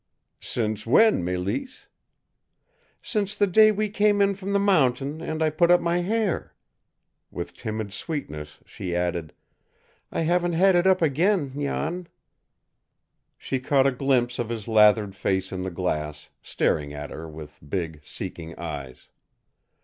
"Since when, Mélisse?" "Since the day we came in from the mountain and I put up my hair." With timid sweetness she added: "I haven't had it up again, Jan." She caught a glimpse of his lathered face in the glass, staring at her with big, seeking eyes.